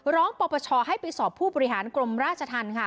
ร้องปรบประชาให้ไปสอบผู้บริหารกรมราชทันค่ะ